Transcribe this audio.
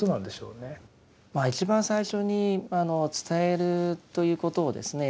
一番最初に伝えるということをですね